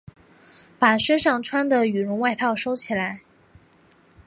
把身上穿的羽绒外套收起来